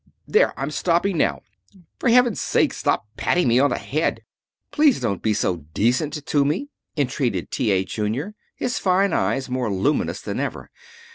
There; I'm stopping now. For Heaven's sake, stop patting me on the head!" "Please don't be so decent to me," entreated T. A. Junior, his fine eyes more luminous than ever.